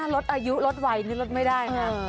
รถอายุรถไหวนึงรถไม่ได้นะ